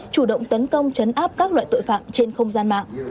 chủ động tấn công chấn áp các loại tội phạm trên không gian mạng